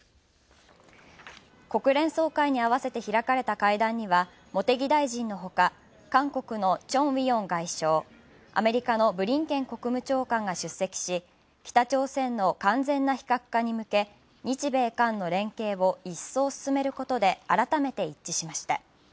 国連総会に合わせて開かれた会談には茂木大臣のほか、韓国の鄭義溶外相アメリカのブリンケン国務長官が出席し、北朝鮮の完全な非核化に向け、日米韓の連携をいっそう進めることで改めて一致しました。